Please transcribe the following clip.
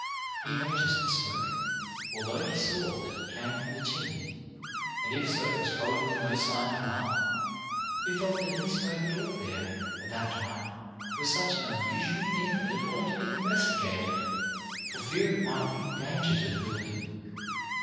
He noticed the smoke, and although he saw, or thought he saw that it came from the chimney, and if so was probably no sign of harm, he felt that any smoke at all there at that time was such an unusual thing that it ought to be investigated for fear it might mean danger to the building.